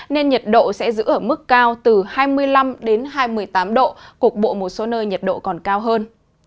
nên nhiệt độ sẽ giữ ở mức cao từ hai mươi năm hai mươi tám độ cục bộ một số nơi nhiệt độ còn cao hơn